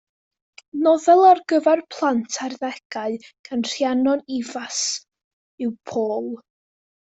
Nofel ar gyfer plant a'r arddegau gan Rhiannon Ifans yw Paul.